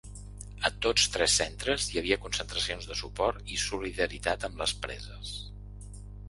A tots tres centres, hi havia concentracions de suport i solidaritat amb les preses.